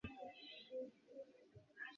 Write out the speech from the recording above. আমি কি খুব নির্বাচিত কেউ?